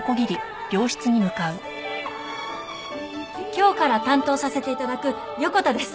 今日から担当させて頂く横田です。